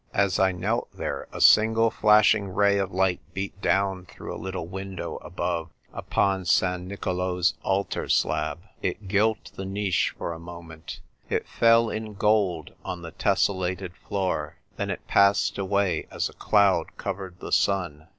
As I knelt there a single flashing ray of light beat down through a little window above upon San Nicolo's altar slab. It gilt the niche for a moment ; it fell in gold on the tes sellated floor; then it passed away as a cloud covered the sun.